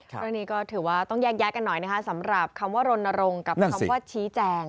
เรื่องนี้ก็ถือว่าต้องแยกแยะกันหน่อยนะคะสำหรับคำว่ารณรงค์กับคำว่าชี้แจง